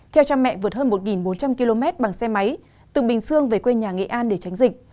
theo cha mẹ vượt hơn một bốn trăm linh km bằng xe máy từ bình dương về quê nhà nghệ an để tránh dịch